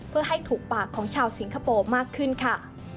เพื่อให้ถูกปากของชาวสิงคโปร์มากขึ้นค่ะ